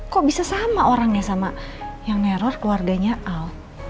kok bisa sama orangnya sama yang neror keluarganya al